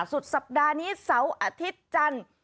สุดสัปดาห์นี้เสาร์อาทิตย์จันทร์